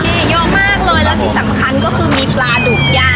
นี่เยอะมากเลยแล้วที่สำคัญก็คือมีปลาดุกย่าง